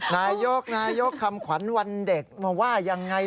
นายกคำขวัญคนเด็กว่ายังไง